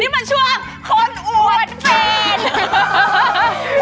นี่มันช่วงคนอวดเฟน